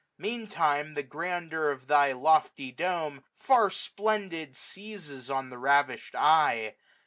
Mean time the grandeur of thy lofty dome. Far splendid, seizes on the ravish'd eye.